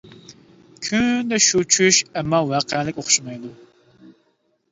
كۈندە شۇ چۈش، ئەمما ۋەقەلىك ئوخشىمايدۇ.